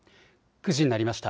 ９時になりました。